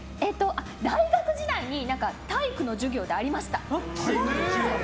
大学時代に体育の授業でありました。